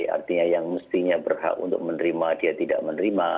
artinya yang mestinya berhak untuk menerima dia tidak menerima